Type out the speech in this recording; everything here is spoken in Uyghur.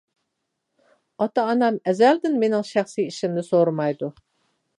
ئاتا-ئانام ئەزەلدىن مېنىڭ شەخسىي ئىشىمنى سورىمايدۇ.